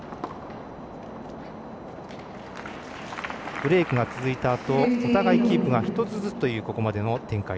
ブレークが続いたあとお互いキープが１つずつというここまでの展開